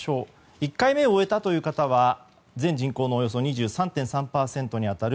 １回目を終えたという方は全人口のおよそ２３．３％に当たる